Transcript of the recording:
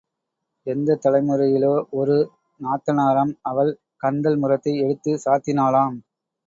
எந்தத் தலைமுறையிலோ ஒரு நாத்தனாராம் அவள் கந்தல் முறத்தை எடுத்துச் சாத்தினாளாம்.